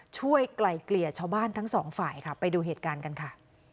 ไกลเกลี่ยชาวบ้านทั้งสองฝ่ายค่ะไปดูเหตุการณ์กันค่ะ